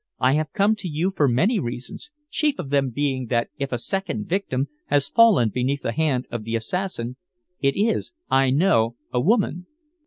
I have come to you for many reasons, chief of them being that if a second victim has fallen beneath the hand of the assassin, it is, I know, a woman."